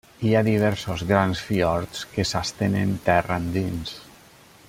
Hi ha diversos grans fiords que s'estenen terra endins.